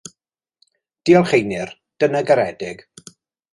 Diolch Einir, dyna garedig.